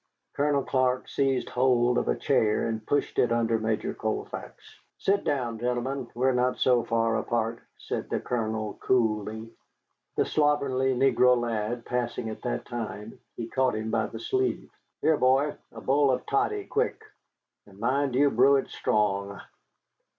Colonel Clark seized hold of a chair and pushed it under Major Colfax. "Sit down, gentlemen, we are not so far apart," said the Colonel, coolly. The slovenly negro lad passing at that time, he caught him by the sleeve. "Here, boy, a bowl of toddy, quick. And mind you brew it strong.